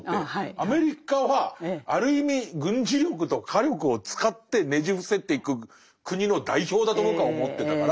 アメリカはある意味軍事力と火力を使ってねじ伏せていく国の代表だと僕は思ってたから。